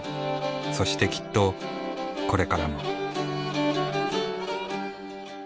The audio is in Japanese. そしてきっとこれからも。